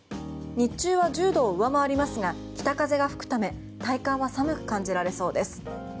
日中は１０度を上回りますが北風が吹くため体感は寒く感じられそうです。